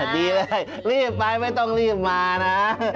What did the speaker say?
ดีเลยรีบไปไม่ต้องรีบมานะ